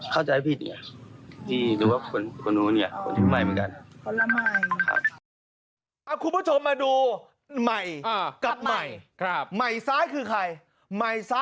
คนบ้านนี้ไม่ได้รู้จักกับสี่คนนี้